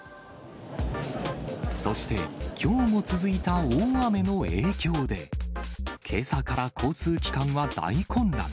そして、きょうも続いた大雨の影響で、けさから交通機関は大混乱。